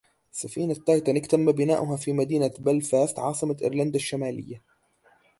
سفينة تيتانيك تم بناؤها في مدينة بلفاست عاصمة أيرلندا الشمالية.